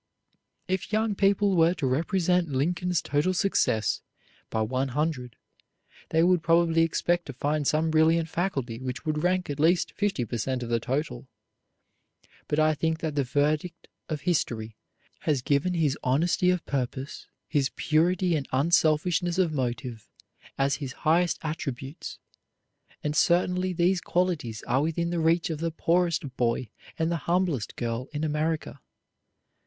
If young people were to represent Lincoln's total success by one hundred, they would probably expect to find some brilliant faculty which would rank at least fifty per cent of the total. But I think that the verdict of history has given his honesty of purpose, his purity and unselfishness of motive as his highest attributes, and certainly these qualities are within the reach of the poorest boy and the humblest girl in America.